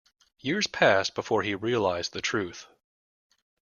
Years passed before he realized the truth.